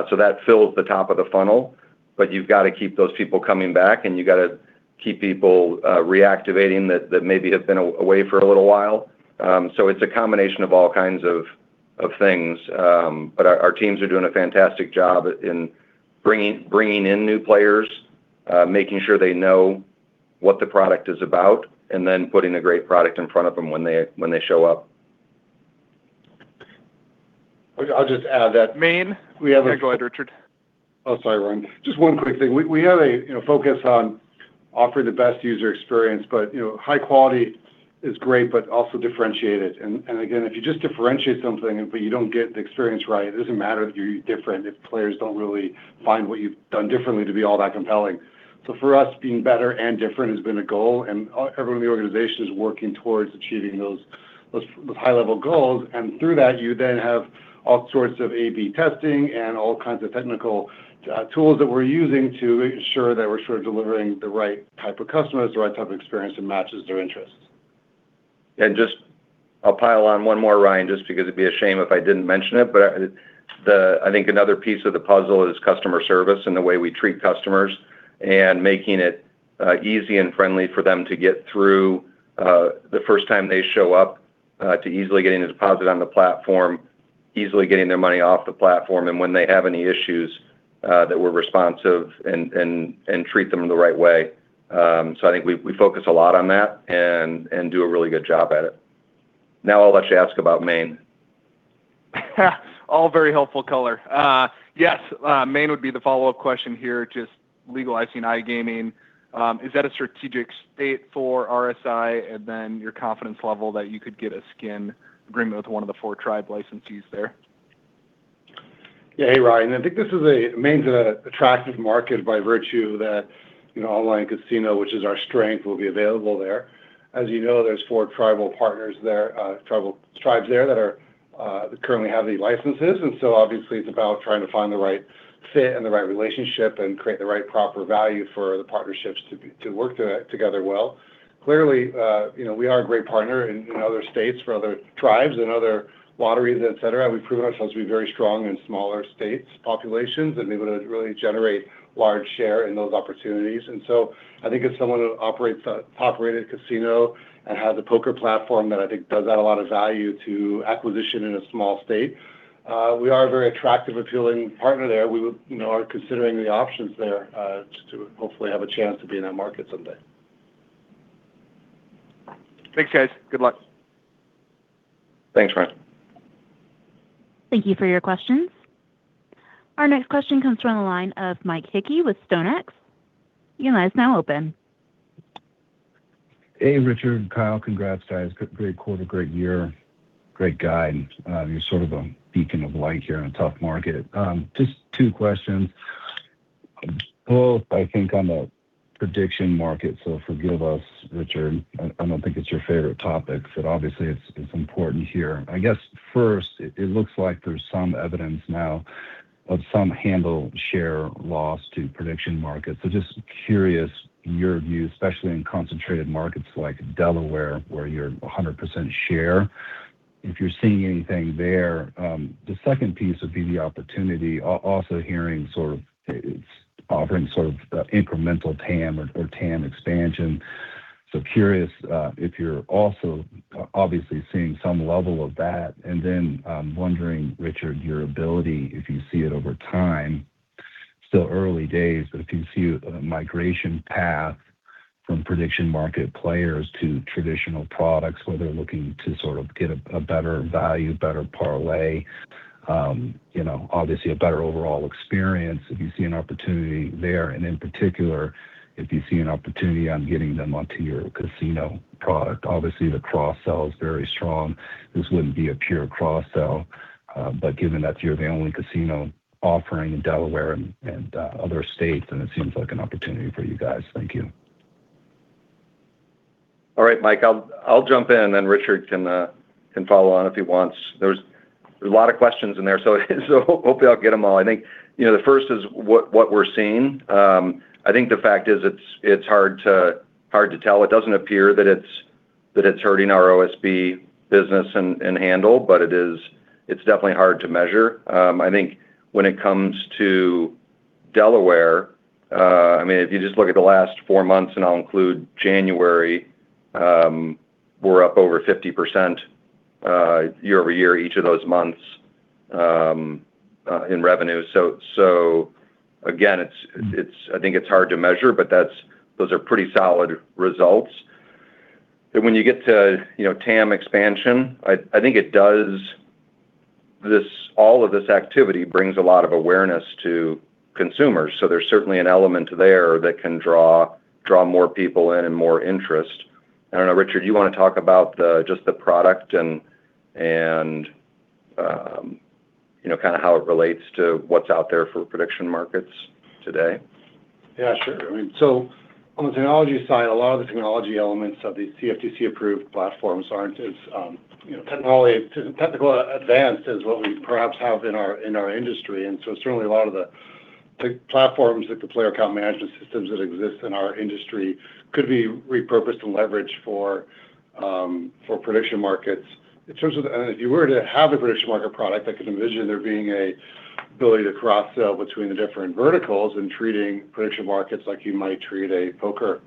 So that fills the top of the funnel, but you've got to keep those people coming back, and you've got to keep people reactivating that maybe have been away for a little while. So it's a combination of all kinds of things. But our teams are doing a fantastic job in bringing in new players, making sure they know what the product is about, and then putting a great product in front of them when they show up. I'll just add that- Maine- We have a- Go ahead, Richard. Oh, sorry, Ryan. Just one quick thing. We have a, you know, focus on offering the best user experience, but, you know, high quality is great but also differentiated. And again, if you just differentiate something, but you don't get the experience right, it doesn't matter if you're different, if players don't really find what you've done differently to be all that compelling. So for us, being better and different has been a goal, and all, everyone in the organization is working towards achieving those high-level goals. And through that, you then have all sorts of AB testing and all kinds of technical tools that we're using to ensure that we're sort of delivering the right type of customers, the right type of experience that matches their interests. Just, I'll pile on one more, Ryan, just because it'd be a shame if I didn't mention it, but I think another piece of the puzzle is customer service and the way we treat customers and making it easy and friendly for them to get through the first time they show up to easily getting a deposit on the platform, easily getting their money off the platform, and when they have any issues that we're responsive and treat them the right way. So I think we focus a lot on that and do a really good job at it. Now, I'll let you ask about Maine. All very helpful color. Yes, Maine would be the follow-up question here, just legalizing iGaming. Is that a strategic state for RSI? And then your confidence level that you could get a skin agreement with one of the four tribe licensees there. Yeah. Hey, Ryan. I think this is a Maine's an attractive market by virtue that, you know, online casino, which is our strength, will be available there. As you know, there's four tribal partners there, tribes there that currently have any licenses. And so obviously, it's about trying to find the right fit and the right relationship, and create the right proper value for the partnerships to work together well. Clearly, you know, we are a great partner in other states for other tribes and other lotteries, et cetera. We've proven ourselves to be very strong in smaller states' populations, and able to really generate large share in those opportunities. And so I think as someone who operated casino and has a poker platform, that I think does add a lot of value to acquisition in a small state. We are a very attractive, appealing partner there. We would, you know, are considering the options there to hopefully have a chance to be in that market someday. Thanks, guys. Good luck. Thanks, Ryan. Thank you for your questions. Our next question comes from the line of Mike Hickey with StoneX. Your line is now open. Hey, Richard, Kyle. Congrats, guys. Great quarter, great year, great guide. You're sort of a beacon of light here in a tough market. Just two questions. Both, I think, on the prediction market, so forgive us, Richard. I, I don't think it's your favorite topic, but obviously, it's, it's important here. I guess, first, it, it looks like there's some evidence now of some handle share loss to prediction markets. So just curious, your view, especially in concentrated markets like Delaware, where you're 100% share, if you're seeing anything there. The second piece would be the opportunity. Also hearing sort of... It's offering sort of incremental TAM or, or TAM expansion. So curious, if you're also obviously seeing some level of that, and then I'm wondering, Richard, your ability, if you see it over time, still early days, but if you see a migration path from prediction market players to traditional products, where they're looking to sort of get a better value, better parlay, you know, obviously a better overall experience. If you see an opportunity there, and in particular, if you see an opportunity on getting them onto your casino product. Obviously, the cross-sell is very strong. This wouldn't be a pure cross-sell, but given that you're the only casino offering in Delaware and other states, then it seems like an opportunity for you guys. Thank you. All right, Mike, I'll jump in, and then Richard can follow on if he wants. There's a lot of questions in there, so hopefully I'll get them all. I think, you know, the first is what we're seeing. I think the fact is, it's hard to tell. It doesn't appear that it's hurting our OSB business and handle, but it is, it's definitely hard to measure. I think when it comes to Delaware, I mean, if you just look at the last four months, and I'll include January, we're up over 50%, year-over-year, each of those months, in revenue. So again, it's- Mm-hmm. it's, I think it's hard to measure, but that's, those are pretty solid results. Then when you get to, you know, TAM expansion, I, I think it does this—all of this activity brings a lot of awareness to consumers, so there's certainly an element there that can draw, draw more people in and more interest. I don't know, Richard, do you want to talk about the, just the product and, and, you know, kinda how it relates to what's out there for prediction markets today? Yeah, sure. I mean, so on the technology side, a lot of the technology elements of these CFTC-approved platforms aren't as, you know, technically advanced as what we perhaps have in our industry. And so certainly, a lot of the platforms, like the player account management systems that exist in our industry, could be repurposed and leveraged for prediction markets. And if you were to have a prediction market product, I could envision there being an ability to cross-sell between the different verticals and treating prediction markets like you might treat a poker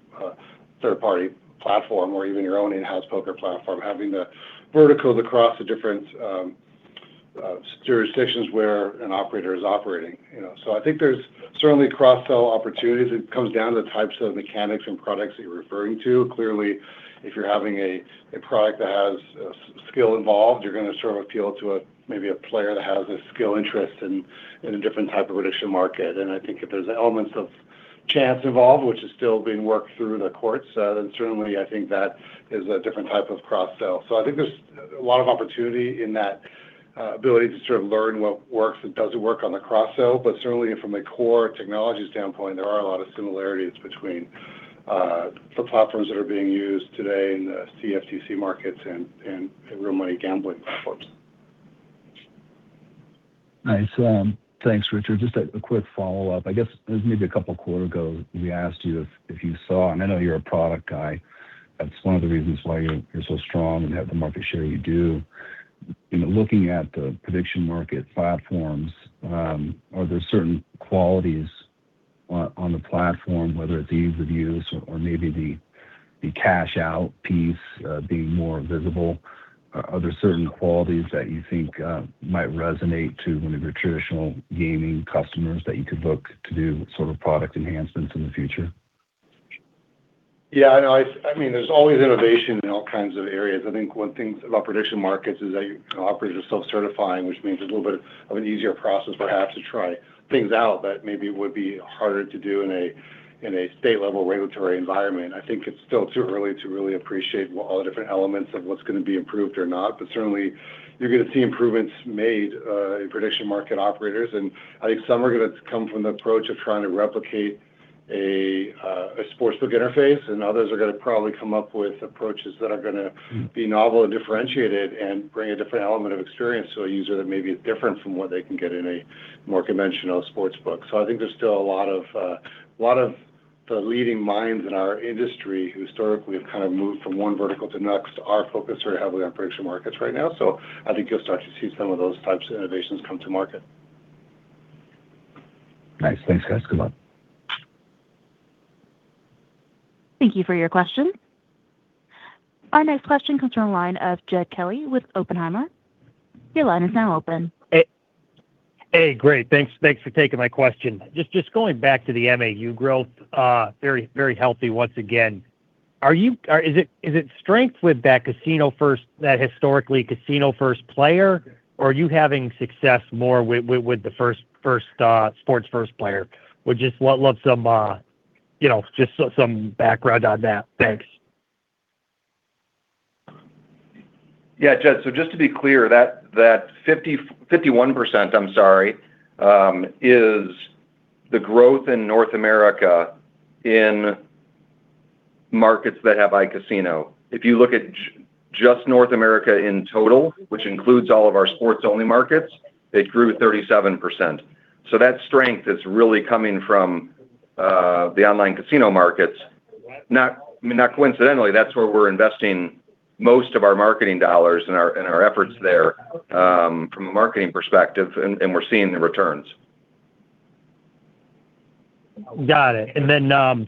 third-party platform or even your own in-house poker platform. Having the verticals across the different jurisdictions where an operator is operating, you know. So I think there's certainly cross-sell opportunities. It comes down to the types of mechanics and products that you're referring to. Clearly, if you're having a product that has skill involved, you're gonna sort of appeal to a maybe a player that has a skill interest in a different type of prediction market. And I think if there's elements of chance involved, which is still being worked through the courts, then certainly I think that is a different type of cross-sell. So I think there's a lot of opportunity in that ability to sort of learn what works and doesn't work on the cross-sell. But certainly, from a core technology standpoint, there are a lot of similarities between the platforms that are being used today in the CFTC markets and in real money gambling platforms. Nice. Thanks, Richard. Just a quick follow-up. I guess it was maybe a couple quarters ago, we asked you if you saw... And I know you're a product guy. That's one of the reasons why you're so strong and have the market share you do. You know, looking at the prediction market platforms, are there certain qualities on the platform, whether it's the ease of use or maybe the cash out piece being more visible? Are there certain qualities that you think might resonate to one of your traditional gaming customers, that you could look to do sort of product enhancements in the future? Yeah, I know. I, I mean, there's always innovation in all kinds of areas. I think one thing about prediction markets is that, you know, operators are self-certifying, which means it's a little bit of an easier process perhaps to try things out, that maybe would be harder to do in a state-level regulatory environment. I think it's still too early to really appreciate what all the different elements of what's going to be improved or not, but certainly you're going to see improvements made in prediction market operators. And I think some are going to come from the approach of trying to replicate... A sportsbook interface, and others are going to probably come up with approaches that are going to be novel and differentiated and bring a different element of experience to a user that maybe is different from what they can get in a more conventional sportsbook. So I think there's still a lot of, a lot of the leading minds in our industry who historically have kind of moved from one vertical to the next. Our focus are heavily on prediction markets right now, so I think you'll start to see some of those types of innovations come to market. Nice. Thanks, guys. Good luck. Thank you for your question. Our next question comes from the line of Jed Kelly with Oppenheimer. Your line is now open. Hey. Hey, great. Thanks for taking my question. Just going back to the MAU growth, very, very healthy once again. Is it strength with that casino first, that historically casino first player, or are you having success more with the first sports first player? Would just love some, you know, some background on that. Thanks. Yeah, Jed, so just to be clear, that 51%, I'm sorry, is the growth in North America in markets that have iCasino. If you look at just North America in total, which includes all of our sports-only markets, it grew 37%. So that strength is really coming from the online casino markets. Not coincidentally, that's where we're investing most of our marketing dollars and our efforts there from a marketing perspective, and we're seeing the returns. Got it. Then,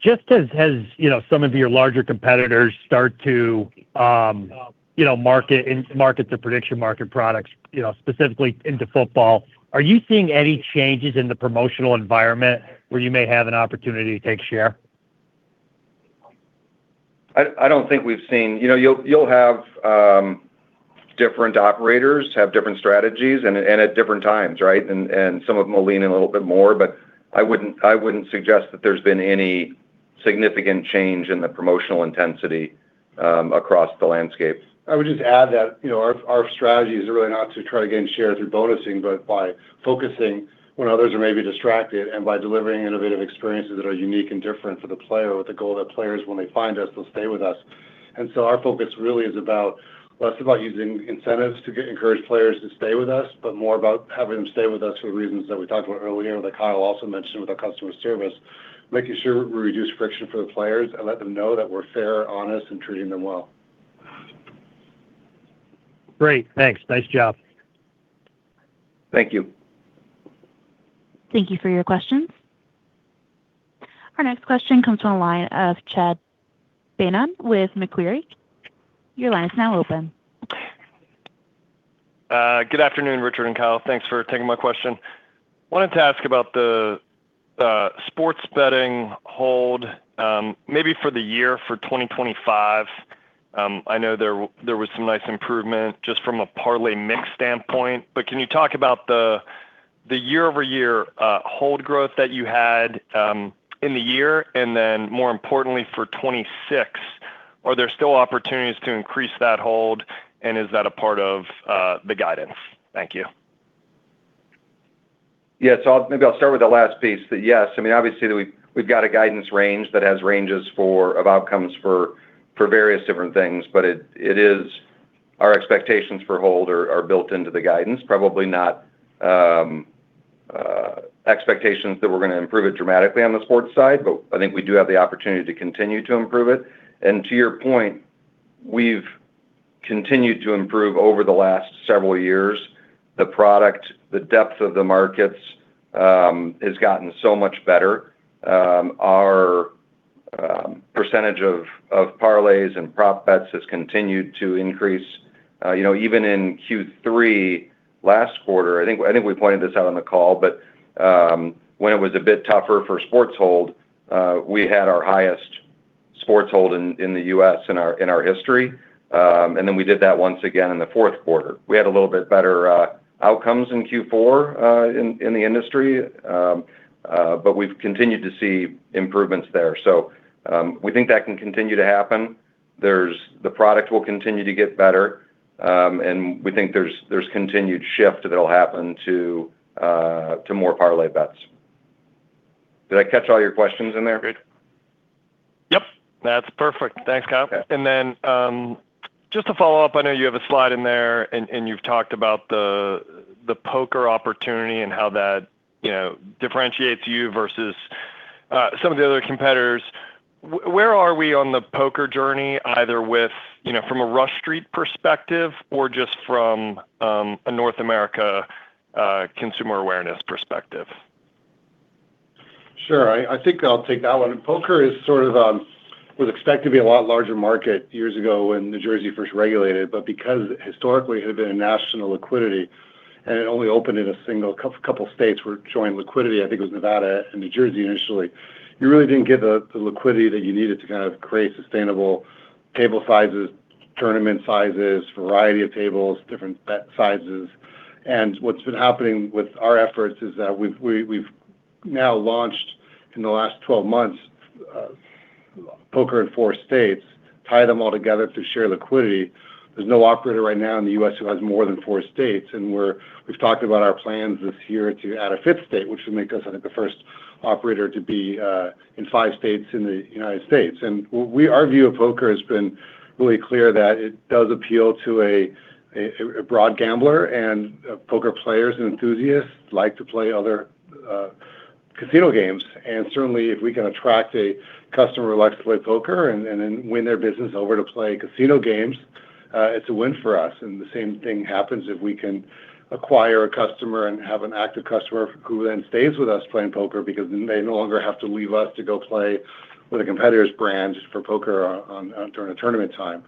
just as you know, some of your larger competitors start to, you know, market the prediction market products, you know, specifically into football, are you seeing any changes in the promotional environment where you may have an opportunity to take share? I don't think we've seen. You know, you'll have different operators have different strategies and at different times, right? And some of them will lean in a little bit more, but I wouldn't suggest that there's been any significant change in the promotional intensity across the landscape. I would just add that, you know, our strategy is really not to try to gain share through bonusing, but by focusing when others are maybe distracted and by delivering innovative experiences that are unique and different for the player, with the goal that players, when they find us, will stay with us. And so our focus really is about, less about using incentives to encourage players to stay with us, but more about having them stay with us for the reasons that we talked about earlier, that Kyle also mentioned with our customer service. Making sure we reduce friction for the players and let them know that we're fair, honest, and treating them well. Great, thanks. Nice job. Thank you. Thank you for your questions. Our next question comes from the line of Chad Beynon with Macquarie. Your line is now open. Good afternoon, Richard and Kyle. Thanks for taking my question. Wanted to ask about the sports betting hold, maybe for the year for 2025. I know there was some nice improvement just from a parlay mix standpoint, but can you talk about the year-over-year hold growth that you had in the year, and then more importantly, for 2026? Are there still opportunities to increase that hold, and is that a part of the guidance? Thank you. Yes. So maybe I'll start with the last piece. That yes, I mean, obviously, we've got a guidance range that has ranges for, of outcomes for, for various different things, but it is our expectations for hold are built into the guidance, probably not expectations that we're going to improve it dramatically on the sports side, but I think we do have the opportunity to continue to improve it. And to your point, we've continued to improve over the last several years. The product, the depth of the markets, has gotten so much better. Our percentage of parlays and prop bets has continued to increase. You know, even in Q3 last quarter, I think, I think we pointed this out on the call, but when it was a bit tougher for sports hold, we had our highest sports hold in the U.S. in our history. And then we did that once again in the fourth quarter. We had a little bit better outcomes in Q4 in the industry, but we've continued to see improvements there. So, we think that can continue to happen. There's the product will continue to get better, and we think there's continued shift that'll happen to more parlay bets. Did I catch all your questions in there, Chad? Yep, that's perfect. Thanks, Kyle. Okay. And then, just to follow up, I know you have a slide in there and you've talked about the poker opportunity and how that, you know, differentiates you versus some of the other competitors. Where are we on the poker journey, either with, you know, from a Rush Street perspective or just from a North America consumer awareness perspective? Sure. I think I'll take that one. Poker is sort of was expected to be a lot larger market years ago when New Jersey first regulated, but because historically it had been a national liquidity and it only opened in a single couple of states were showing liquidity, I think it was Nevada and New Jersey initially, you really didn't get the liquidity that you needed to kind of create sustainable table sizes, tournament sizes, variety of tables, different bet sizes. And what's been happening with our efforts is that we've now launched, in the last 12 months, poker in four states, tied them all together to share liquidity. There's no operator right now in the U.S. who has more than four states, and we've talked about our plans this year to add a fifth state, which would make us, I think, the first operator to be in five states in the United States. Our view of poker has been really clear that it does appeal to a broad gambler, and poker players and enthusiasts like to play other casino games. And certainly, if we can attract a customer who likes to play poker and then win their business over to play casino games, it's a win for us. The same thing happens if we can acquire a customer and have an active customer who then stays with us playing poker because they no longer have to leave us to go play with a competitor's brand just for poker on during a tournament time.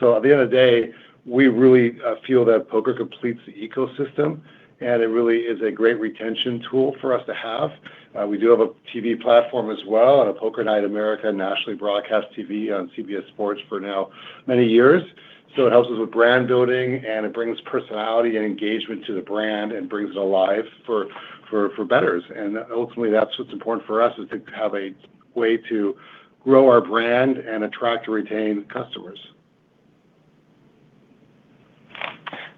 So at the end of the day, we really feel that poker completes the ecosystem, and it really is a great retention tool for us to have. We do have a TV platform as well, and a Poker Night in America nationally broadcast TV on CBS Sports for now many years. So it helps us with brand building, and it brings personality and engagement to the brand and brings it alive for bettors. And ultimately, that's what's important for us, is to have a way to grow our brand and attract and retain customers.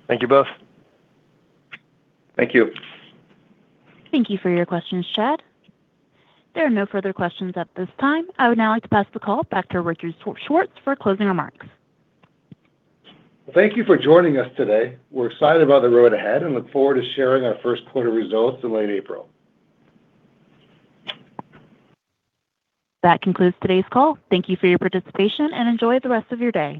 Thank you both. Thank you. Thank you for your questions, Chad. There are no further questions at this time. I would now like to pass the call back to Richard Schwartz for closing remarks. Thank you for joining us today. We're excited about the road ahead and look forward to sharing our first quarter results in late April. That concludes today's call. Thank you for your participation, and enjoy the rest of your day.